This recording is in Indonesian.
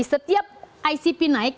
setiap icp naik